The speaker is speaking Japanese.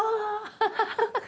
ハハハハ！